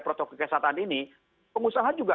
protokol kesehatan ini pengusaha juga